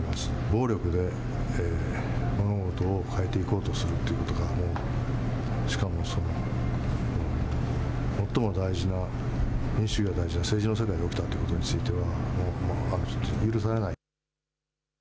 暴力で物事を変えていこうとすることがしかも最も大事な民主主義の大事な政治の世界で起きたことについては信じられない。